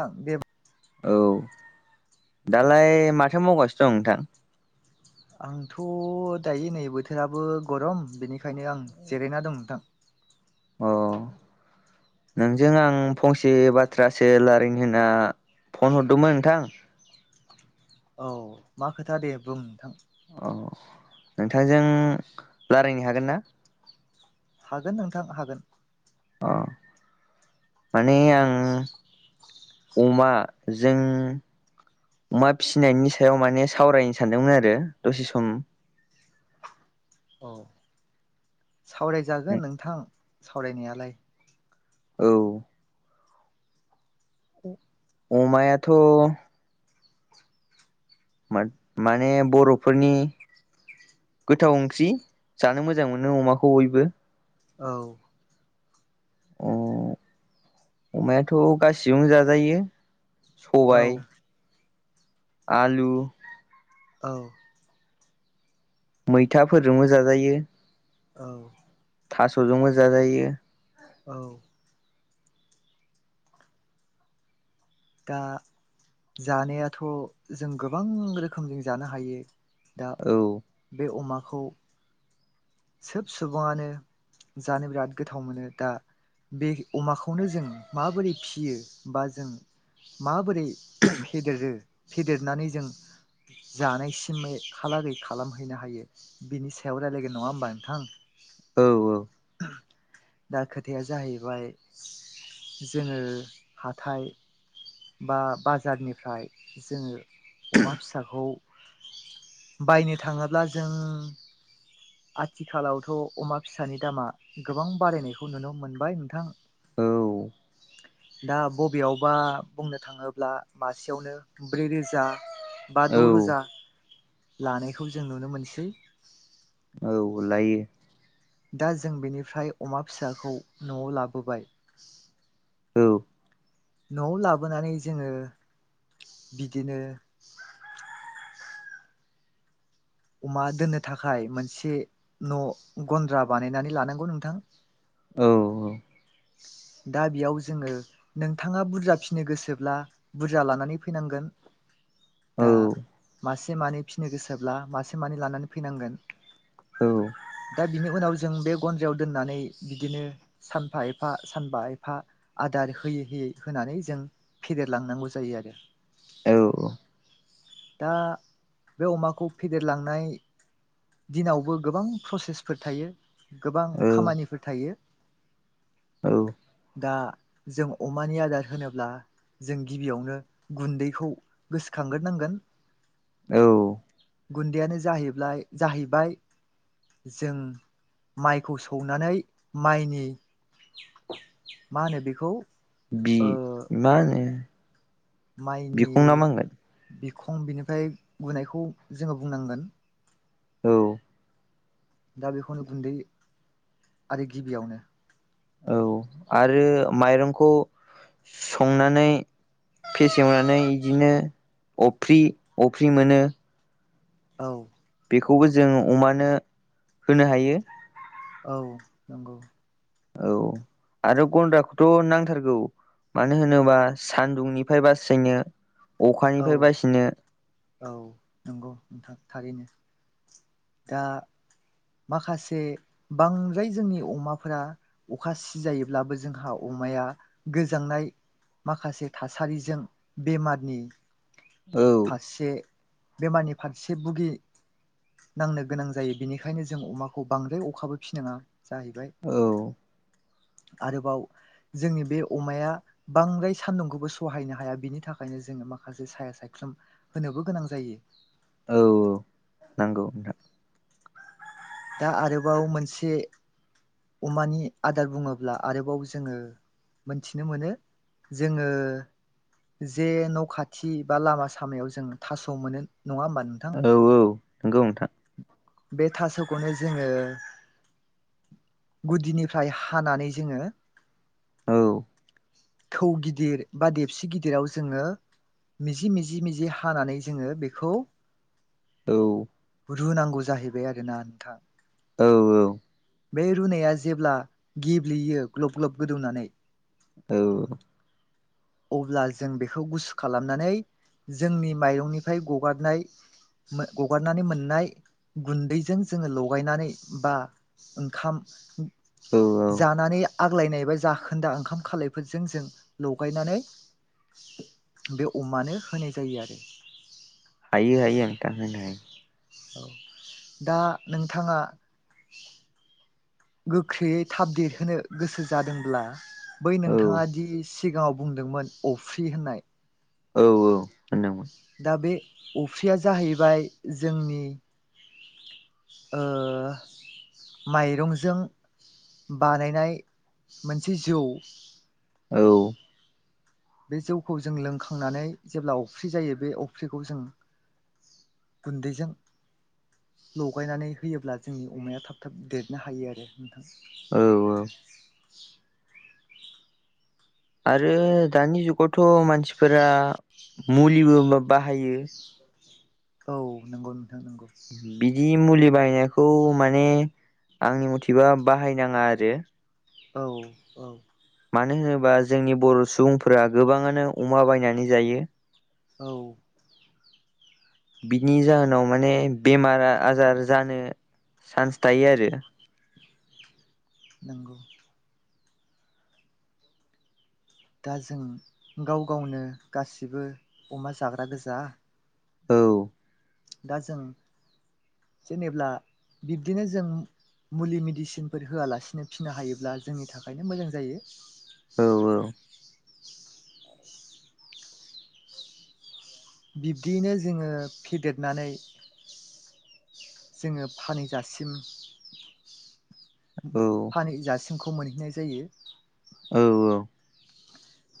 ओं बे औ दालाय माथो मावगासिनो दं नोंथां? आंथ' दायो नै बोथोराबो गरम बेनिखायनो आं जिरायना दं नोंथां। अ [inaudible] नोंजों आं फंसे बाथ्रासो लारिनो होनना फन हरदोंमोन नोंथां। औ मा खोथा दे बुं नोंथां। औ नोंथांजों रायलायनो हागोन ना? हागोन नोंथां हागोन। अ माने आं अमा जों अमा फिनायनि सायाव माने सावरायनो सानदोंमोन आरो दसे सम औ सावरायजागोन नोंथां सावरायनायालाय। औ। अमायाथ' माने बर'फोरनि गोथाव ओंख्रि जानो मोजां मोनो अमाखौ बयबो। औ। अ अमायाथ' गासिबजोंबो जाजायो औ सबाय आलु औ। मैथाफोरजोंबो जाजायो। औ। थास'जोंबो जाजायो। औ। दा जानायाथ' जों गोबां रोखोमजों जानो हायो। दा औ बे अमाखौ सोब सुबुङानो जानो बिराद गोथाव मोनो दा बे अमाखौनो जों माबोरै फियो बा जों माबोरै फेदेरो फेदेरनानै जों जानायसिमैहालागै खालामहैनो हायो बिनि सायाव रायलायगोन नङा होमबा नोंथां। औ औ। दा खोथाया जाहैबाय जोङो हाथाय बा बाजारनिफ्राय जोङो अमा फिसाखौ बायनो थाङोब्ला जों आथिखालावथ' अमा फिसानि दामा गोबां बारायनायखौ नुनो मोनबाय नोंथां। औ दा बबेयावबा बुंनो थाङोब्ला मासेयावनो ब्रै रोजा बा द' रोजा औ लानायखौ जों नुनो मोनसै। औ लायो। दा जों बेनिफ्राय अमा फिसाखौ न'आव लाबोबाय औ न'आव लाबोनानै जोङो बिदिनो अमा दोननो थाखाय मोनसे न' गन्द्रा बानायनानै लानांगौ नोंथां। औ। औ दा बेयाव जोङो नोंथाङा बुरजा फिसिनो गोसोब्ला बुरजा लानानै फैनांगोन। दा मासे मानै फिनो गोसोब्ला मासे मानै लानानै फैनांगोन। दा बिनि उनाव जों बे गन्द्रायाव दोननानै बिदिनो सानफा एफा एफा सानबा एफा आदार होयै होयै होनानै जों फेदेरलांनांगौ जायो आरो। औ। दा बे अमाखौ फेदेरलांनाय दिनावबो गोबां प्रसेसफोर थायो गोबां खामानिफोर थायो। औ। दा जों अमानि आदार होनोब्ला जों गिबियावनो गुन्दैखौ गोसोखांग्रोनांगोन। औ। गुन्दैयानो जाहैब्लाय जाहैबाय जों माइखौ सौनानै माइनि मा होनो बेखौ। बि ओ मा होनो? माइनि बिखं ना मा होनगोन बिखं बिनिफ्राय गुनायखौ जोङो बुंनांगोन औ। दा बेखौनो गुन्दै आरो गिबियावनो औ आरो माइरंखौ संनानै। फेसेवनानै बिदिनो अफ्रि अफ्रि मोनो। औ। बेखौबो जों अमानो होनो हायो। औ नंगौ। औ आरो गन्द्राखौथ' नांथारगौ। मानो होनोबा सान्दुंनिफ्राय बासिनो औ अखानिफ्राय बासिनो औ नंगौ नोंथां थारैनो दा माखासे बांद्राय जोंनि अमाफोरा अखा सिजायोब्लाबो जोंहा अमाया गोजांनाय माखासे थासारिजों बेमारनि औ। फारसे बेमारनि फारसे बुगि नांनो गोनां जायो बेनिखायनो जों अमाखौ बांद्राय अखाबो फिनाङा जाहैबाय। औ। आरोबाव जोंनि बे अमाया बांद्राय सान्दुंखौबो सहायनो हाया बिनि थाखायनो जोङो माखासे साया सायख्लुम। होनोबो गोनां जायो। औ औ नांगौ नोंथां। दा आरोबाव मोनसे अमानि आदार बुङोब्ला आरोबाव जोङो। मोनथिनो मोनो जोङो। जे न' खाथि बा लामा सामायाव जों थास' मोनो नङा होमबा नोंथां औ औ नंगौ नोंथां। बे थास'खौनो जोङो। गुदिनिफ्राय हानानै जोङो। औ थौ गिदिर बा दोबसि गिदिराव जोङो मिजि मिजि मिजि हानानै जोङो बेखौ। औ रुनांगौ जाहैबाय आरोना नोंथां। औ औ। बे रुनाया जेब्ला गेब्लेयो ग्लब ग्लब गोदौनानै। औ। [inaudible] अब्ला जों बेखौ गुसु खालामनानै जोंनि माइरंनिफ्राय गगारनाय गगारनानै मोननाय गुन्दैजों जोङो लगायनानै बा ओंखाम औ औ जानानै आग्लायनाय बा जाखोन्दा ओंखाम खालायफोरजों जों लगायनानै बे अमानो होनाय जायो आरो हायो हायो नोंथां होनो हायो औ दा नोंथाङा गोख्रैयै थाब देरहोनो गोसो जादोंब्ला बै हायो नोंथाङा दि सिगाङाव बुंदोंमोन अफ्रि होननाय औ औ होनदोंमोन दा बे अफ्रिया जाहैबाय जोंनि ओ माइरं जों बानायनाय मोनसे जौ औ बे जौखौ जों लोंखांनानै जेब्ला अफ्रि जायो बे अफ्रिखौ जों गुन्दैजों लगायनानै होयोब्ला जोंनि अमाया थाब थाब देरनो हायो आरो नोंथां औ औ आरो दानि जुगावथ' मानसिफोरा मुलिबो बाहायो औ नंगौ नोंथां नंगौ बिदि मुलि बायनायखौ माने आंनि मथेबा बाहायनाङा आरो औ औ मानो होनोबा जोंनि बर' सुबुंफोरा गोबाङानो अमा बायनानै जायो औ बिनि जाहोनाव माने बेमार आजार जानो चान्स थायो आरो नंगौ दा जों गाव गावनो गासिबो अमा जाग्रा गोजा औ दा जों जेनेब्ला बिब्दिनो जों मुलि मेडिसिनफोर होआलासिनो फिनो हायोब्ला जोंनि थाखायनो मोजां जायो औ औ बिब्दियैनो जोङो फेदेरनानै जोङो फानैजासिम फानैजासिमखौ मोनहैनाय जायो औ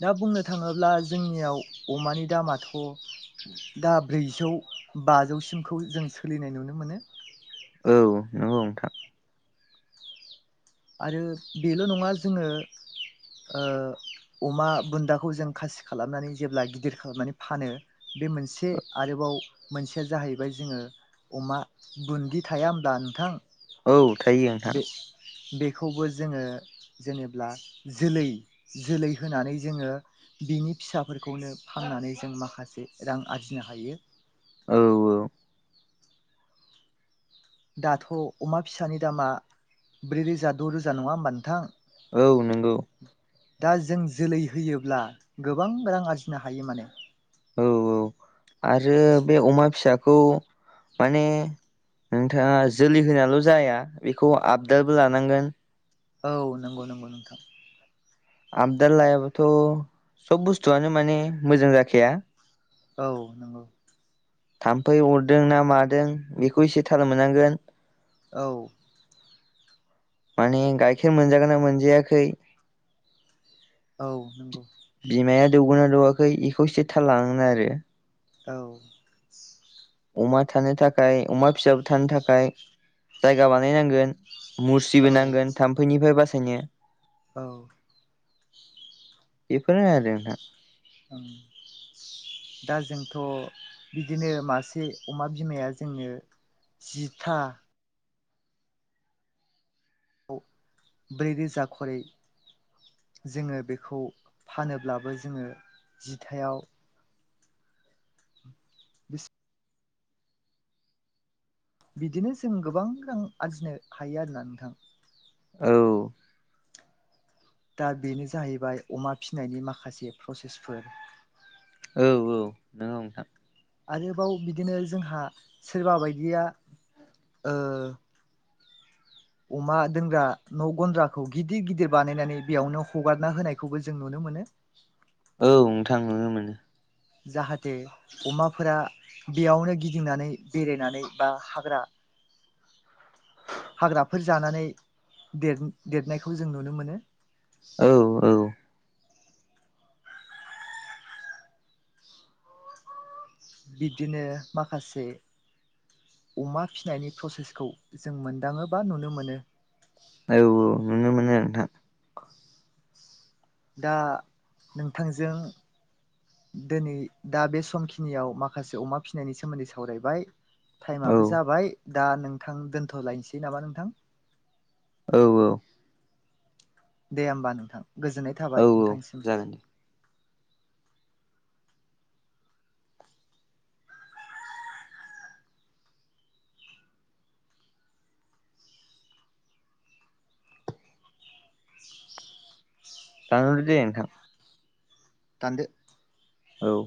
दा बुंनो थाङोब्ला जोंनियाव अमानि दामाथ' दा ब्रैजौ बाजौसिमखौ जों सोलिनाय नुनो मोनो औ नंगौ नोंथां आरो बेल' नङा जोङो ओ अमा बुन्दाखौ जों खासि खालामनानै जेब्ला गिदिर खालामनानै फानो बे मोनसे आरोबाव मोनसेया जाहैबाय जोङो अमा बुन्दि थाया होनब्ला नोंथां औ थायो नोंथां बे बेखौबो जोङो जेनेब्ला जोलै जोलै होनानै जोङो बिनि फिसाफोरखौनो फाननानै जों माखासे रां आरजिनो हायो औ औ दाथ' अमा फिसानि दामा ब्रै रोजा द' रोजा नङा होमबा नोंथां औ नंगौ दा जों जोलै होयोब्ला गोबां रां आरजिनो हायो माने औ औ आरो बे अमा फिसाखौ माने नोंथाङा जोलै होनाल' जाया बेखौ आपडारबो लानांगोन औ नंगौ नंगौ नोंथां आबदाल लायाबाथ' सब बुस्थुआनो माने मोजां जाखाया औ नंगौ थाम्फै अरदों ना मादों बेखौ एसे थाल मोननांगोन औ माने गाइखेर मोनजागोन ना मोनजायाखै औ नंगौ बिमाया दौगोना दौवाखै इखौ एसे थाल लानांगोन आरो औ अमा थानो थाखाय अमा फिसाफोर थानो थाखाय जायगा बानायनांगोन मुस्रिबो औ नांगोन थाम्फैनिफ्राय बासायनो औ बेफोरनो आरो नोंथां [unintelligible] दा जोंथ' बिदिनो मासे अमा बिमाया जोंनो जिथा ब्रैरोजा खरै जोङो बेखौ फानोब्लाबो जोङो जिथायाव बिदिनो जों गोबां रां आरजिनो हायो आरोना नोंथां औ दा बेनो जाहैबाय अमा फिनायनि माखासे प्रसेसफोर औ औ नोंगौ नोंथां आरोबाव बिदिनो जोंहा सोरबा बायदिया अमा दोंग्रा न' गन्द्राखौ गिदिर गिदिर बानायनानै बेयावनो हगारना होनायखौबो जों नुनो मोनो औ नोंथां नुनो मोनो जाहाथे अमाफोरा बेयावनो गिदिंनानै बेरायनानै बा हाग्रा [inaudible] हाग्राफोर जानानै देर देरनायखौ जों नुनो मोनो औ औ बिदिनो माखासे अमा फिसिनायनि प्रसेसखौ जों मोनदाङो बा नुनो मोनो औ औ औ नुनो मोनो नोंथां दा नोंथांजों दिनै दा बे समखिनियाव माखासे अमा फिसिनायनि सोमोन्दै सावरायबाय औ टाइमाबो जाबाय दा नोंथां दोनथ'लायनोसै नामा नोंथां औ औ दे होमबा नोंथां गोजोननाय औ थाबाय औ नोंथांनिसिम जागोन दे [inaudible] दानहरदो दे नोंथां दानदो औ